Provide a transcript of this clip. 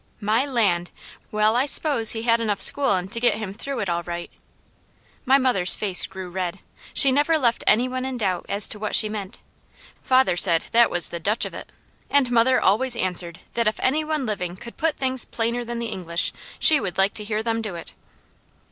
"My land! Well, I s'pose he had enough schoolin' to get him through it all right!" My mother's face grew red. She never left any one in doubt as to what she meant. Father said that "was the Dutch of it." And mother always answered that if any one living could put things plainer than the English, she would like to hear them do it.